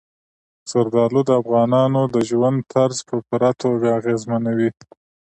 زردالو د افغانانو د ژوند طرز په پوره توګه اغېزمنوي.